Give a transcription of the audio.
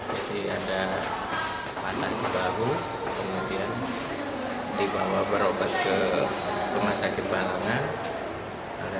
jadi ada pantas dibalo kemudian dibawa berobat ke rumah sakit balangga